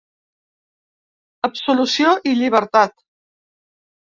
Absolució i llibertat!